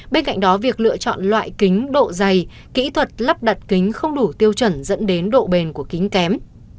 bên cạnh đó việc lựa chọn loại kính độ dày kỹ thuật lắp đặt kính không đủ tiêu chuẩn dẫn đến độ bền của kính kém